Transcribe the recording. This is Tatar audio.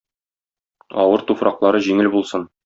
Авыр туфраклары җиңел булсын.